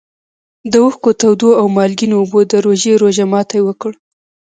د اوښکو تودو او مالګینو اوبو د روژې روژه ماتي وکړ.